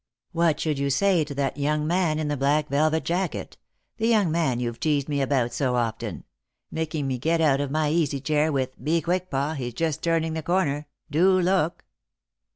What should you say to that young man in the black velvet jacket — the young man you've teased me about so often — making me get out of my easy chair with ' Be quick, pa, he's just turning the corner ; do look